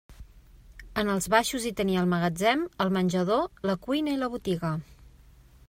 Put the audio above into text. En els baixos hi tenia el magatzem, el menjador, la cuina i la botiga.